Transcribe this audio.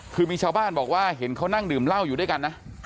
คือมีชาวบ้านบอกว่าเห็นเขานั่งดื่มเหล้าอยู่ด้วยกันนะ